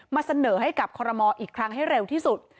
มาเสนอให้กับคอรมอลอีกครั้งให้เร็วที่สุด